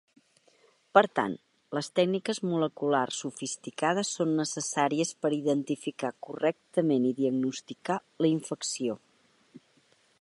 Per tant, les tècniques moleculars sofisticades són necessàries per identificar correctament i diagnosticar la infecció.